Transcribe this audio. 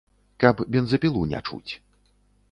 Каб бензапілу не чуць.